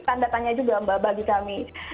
tanda tanya juga mbak bagi kami